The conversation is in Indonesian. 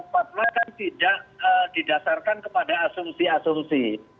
fatwa tidak didasarkan kepada asumsi asumsi